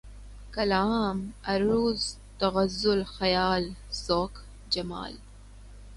کلام ، عَرُوض ، تغزل ، خیال ، ذوق ، جمال